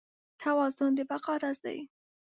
توازن د بقا راز دی.